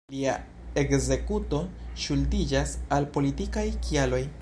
Lia ekzekuto ŝuldiĝas al politikaj kialoj.